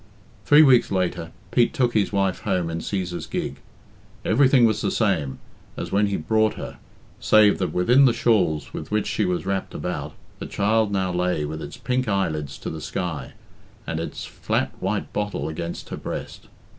Three weeks later, Pete took his wife home in Cæsar's gig. Everything was the same, as when he brought her, save that within the shawls with which she was wrapped about the child now lay with its pink eyelids to the sky, and its fiat white bottle against her breast.